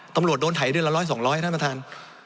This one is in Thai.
ตำรวจโดนถ่ายเดือนละร้อยสองร้อยท่านประธาน